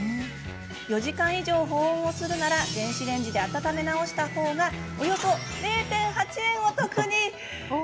４時間以上保温をするなら電子レンジで温め直したほうがおよそ０．８円お得に。